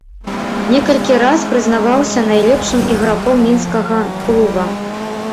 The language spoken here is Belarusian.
Некалькі раз прызнаваўся найлепшым іграком мінскага клуба.